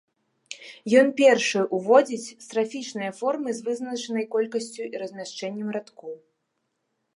Ён першы ўводзіць страфічныя формы з вызначанай колькасцю і размяшчэннем радкоў.